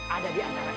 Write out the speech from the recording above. ada di antara ini